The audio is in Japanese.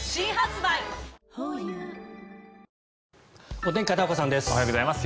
お天気、片岡さんです。